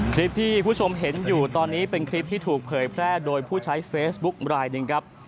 คลิปที่คุณผู้ชมเห็นอยู่ตอนนี้เป็นคลิปที่ถูกเผยแพร่โดยผู้ใช้เฟซบุ๊คลายหนึ่งครับ